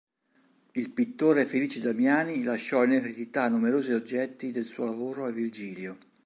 Il pittore Felice Damiani lasciò in eredità numerosi oggetti del suo lavoro a Virgilio.